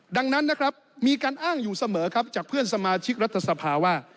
ดังนั้นนะครับมีการอ้างอยู่เสมอครับจากเพื่อนสมาชิกรัฐสภาว่า